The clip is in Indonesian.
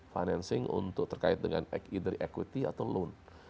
financing untuk terkait dengan either equity atau loan